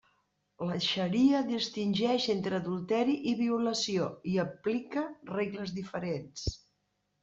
La xaria distingeix entre adulteri i violació i aplica regles diferents.